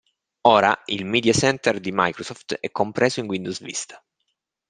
Ora il Media Center di Microsoft è compreso in Windows Vista.